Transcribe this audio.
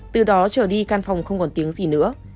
từ đó trở đi căn phòng không còn tiếng gì nữa